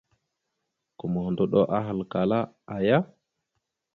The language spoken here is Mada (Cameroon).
Gomohəndoɗo ahalkala : aaya ?